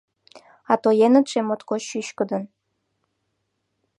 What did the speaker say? А тоенытше моткоч чӱчкыдын.